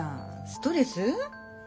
ストレス？